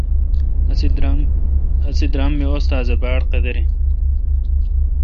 اسی درام می استادہ باڑقدر این